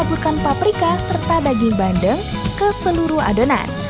kaburkan paprika serta daging bandeng ke seluruh adonan